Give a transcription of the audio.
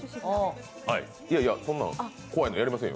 いやいや、そんなん怖いんでやりませんよ。